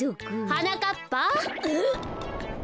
はなかっぱ。